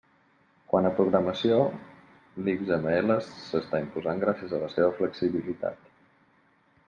Quant a programació, l'XML s'està imposant gràcies a la seva flexibilitat.